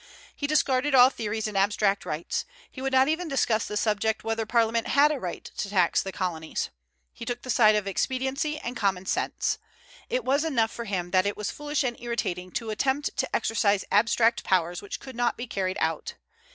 He discarded all theories and abstract rights. He would not even discuss the subject whether Parliament had a right to tax the colonies. He took the side of expediency and common sense. It was enough for him that it was foolish and irritating to attempt to exercise abstract powers which could not be carried out.